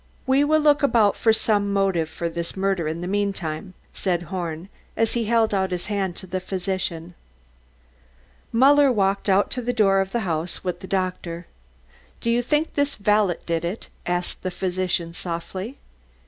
We will look about for some motive for this murder in the meantime," said Horn, as he held out his hand to the physician. Muller walked out to the door of the house with the doctor. "Do you think this valet did it?" asked the physician softly.